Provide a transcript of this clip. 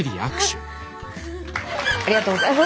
ありがとうございます。